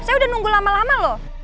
saya udah nunggu lama lama loh